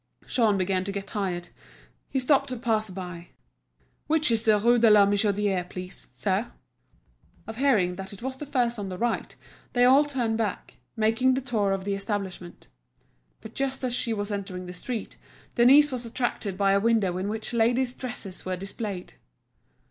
Jean began to get tired. He stopped a passer by. "Which is the Rue de la Michodière, please, sir?" On hearing that it was the first on the right they all turned back, making the tour of the establishment. But just as she was entering the street, Denise was attracted by a window in which ladies' dresses were displayed.